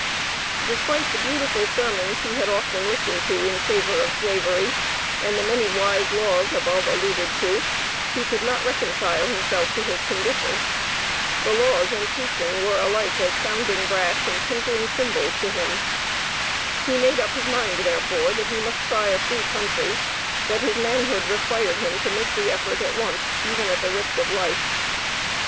Despite the beautiful sermons he had often listened to in favor of Slavery, and the many wise laws, above alluded to, he could not reconcile himself to his condition. The laws and preaching were alike as "sounding brass, and tinkling cymbals" to him. He made up his mind, therefore, that he must try a free country; that his manhood required him to make the effort at once, even at the risk of life.